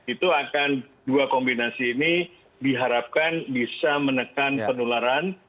itu akan dua kombinasi ini diharapkan bisa menekan penularan